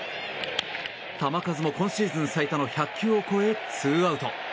球数も今シーズン最多の１００球を超えツーアウト。